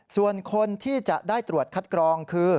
ส่วนคนที่จะได้ตรวจคัดกรองคือ